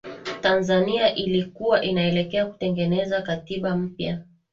Tanzania ilikuwa inaelekea kutengeneza Katiba mpya